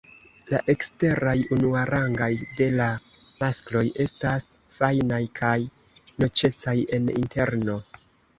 La eksteraj unuarangaj de la maskloj estas fajnaj kaj noĉecaj en interno.